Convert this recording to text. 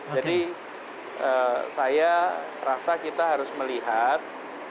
jadi saya rasa kita harus melihat